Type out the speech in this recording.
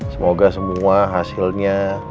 semoga semua hasilnya